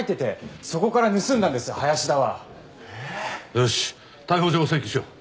よし逮捕状を請求しよう。